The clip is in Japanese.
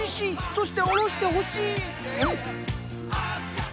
そして下ろしてほしい！